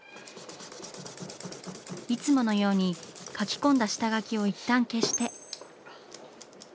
いつものように描き込んだ下描きをいったん消して。